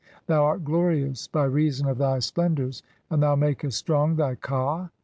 Thou art glorious by reason of thy "splendours, and thou makest strong thy ka (2.